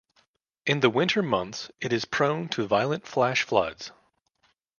In the winter months it is prone to violent flash floods.